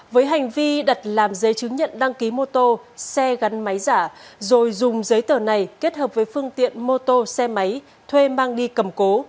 với hành vi đặt làm giấy chứng nhận đăng ký mô tô xe gắn máy giả rồi dùng giấy tờ này kết hợp với phương tiện mô tô xe máy thuê mang đi cầm cố